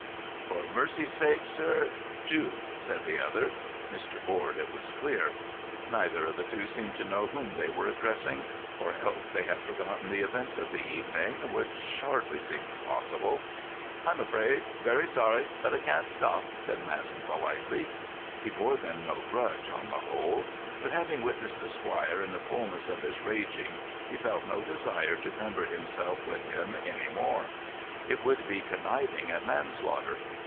"For mercy's sake, sir, do!" said the other—Mr. Board, it was clear. Neither of the two seemed to know whom they were addressing; or else they had forgotten the events of the evening, which hardly seemed possible. "I'm afraid—very sorry—but I can't stop," said Masson politely. He bore them no grudge, on the whole; but, having witnessed the squire in the fulness of his raging, he felt no desire to cumber himself with him any more. It would be conniving at manslaughter.